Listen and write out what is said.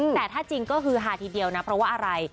แต่ถ้าจริงก็คือฮาทีเดียวนะเพราะว่าอะไร